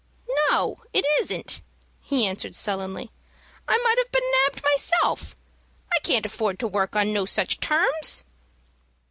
"No, it isn't," he answered, sullenly. "I might 'ave been nabbed myself. I can't afford to work on no such terms."